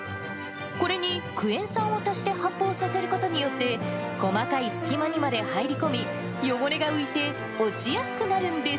これにクエン酸を足して発泡させることによって、細かい隙間にまで入り込み、汚れが浮いて落ちやすくなるんです。